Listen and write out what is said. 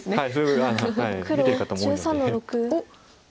はい。